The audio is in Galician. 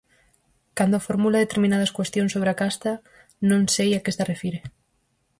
Cando formula determinadas cuestións sobre a casta, non sei a que se refire.